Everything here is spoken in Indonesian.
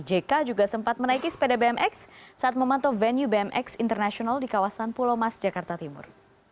jk juga sempat menaiki sepeda bmx saat memantau venue bmx international di kawasan pulau mas jakarta timur